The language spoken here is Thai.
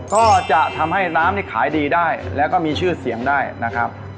ก็จะทำให้น้ำนี่ขายดีได้แล้วก็มีชื่อเสียงได้นะครับ